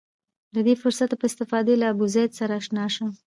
له دې فرصته په استفادې له ابوزید سره اشنا شم.